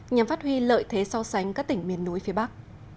nhằm phát huy lợi thế so sánh các tỉnh miền núi phía bắc